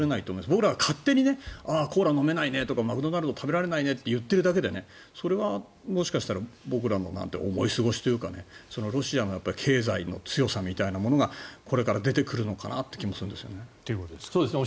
僕らは勝手にコーラが飲めないねとかマクドナルド食べられないねと言っているだけでそれは僕らの思い過ごしというかロシアの経済の強さみたいなものがこれから出てくるのかなと思うんですね。